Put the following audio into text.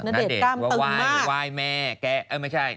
ณเดชน์ว่าไหว้แม่แกไม่ใช่